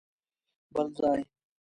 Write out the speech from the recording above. بل ځای؟!